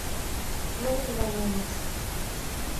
Non enganemos.